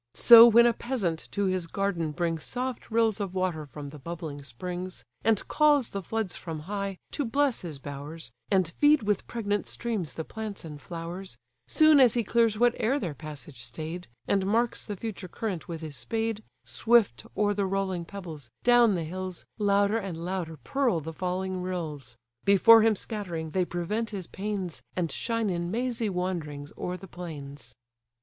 So when a peasant to his garden brings Soft rills of water from the bubbling springs, And calls the floods from high, to bless his bowers, And feed with pregnant streams the plants and flowers: Soon as he clears whate'er their passage stay'd, And marks the future current with his spade, Swift o'er the rolling pebbles, down the hills, Louder and louder purl the falling rills; Before him scattering, they prevent his pains, And shine in mazy wanderings o'er the plains.